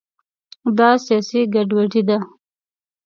دا سیاسي ګډوډي ده.